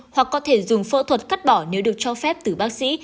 hoặc có thể dùng phẫu thuật cắt bỏ nếu được cho phép từ bác sĩ